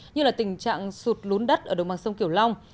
như là tình trạng sụt lún đất ở đồng bằng sông kiểu long